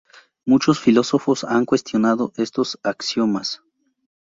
Muchos filósofos han cuestionados estos axiomas.